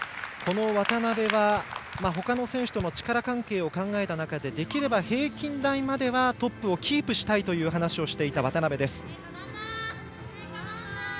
渡部は、ほかの選手との力関係を考えた中でできれば平均台まではトップをキープしたいという話をしていた渡部です。